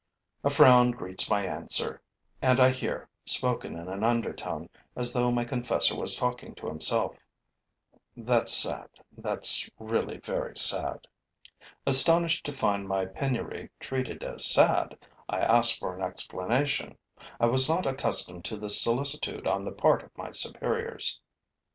A frown greets my answer; and I hear, spoken in an undertone, as though my confessor were talking to himself: 'That's sad, that's really very sad.' Astonished to find my penury treated as sad, I ask for an explanation: I was not accustomed to this solicitude on the part of my superiors.